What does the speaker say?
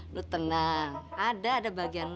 lo tenang ada ada bagian lo